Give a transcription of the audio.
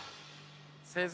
先生